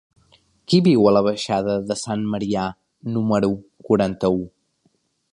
Qui viu a la baixada de Sant Marià número quaranta-u?